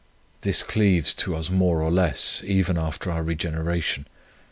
This cleaves to us more or less, even after our regeneration.